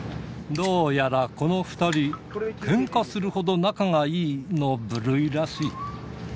どうやらこの２人、けんかするほど仲がいいの部類らしい。